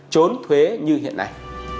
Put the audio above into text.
chốn thuế như hiện nay